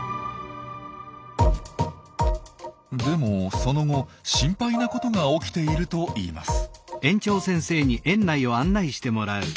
でもその後心配なことが起きているといいます。